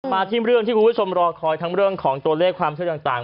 มาที่เรื่องที่คุณผู้ชมรอคอยทั้งเรื่องของตัวเลขความเชื่อต่าง